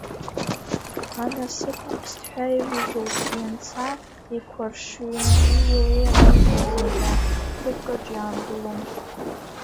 Анасыԥ аԥсҭҳәа иаҩызоуп, ианца, иқәаршыҩнгьы илеир алшоит зынӡа, ҭыԥкаҿ иаангылом…